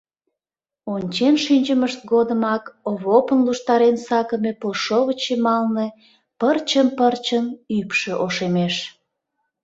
Ончен шинчымышт годымак Овопын луштарен сакыме пылшовыч йымалне пырчын-пырчын ӱпшӧ ошемеш.